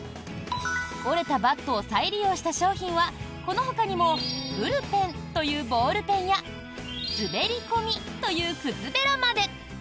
折れたバットを再利用した商品はこのほかにも「ブルぺん」というボールペンや「すべりこみ」という靴べらまで！